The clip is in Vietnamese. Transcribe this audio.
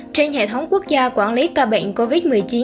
trên hệ thống quốc gia quản lý ca bệnh covid một mươi chín